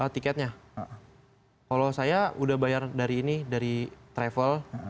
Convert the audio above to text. tiketnya kalau saya sudah bayar dari travel